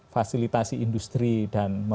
fasilitasi industri dan memfasilitasi